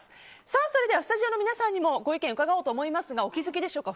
それではスタジオの皆さんにもご意見伺おうと思いますがお気づきでしょうか。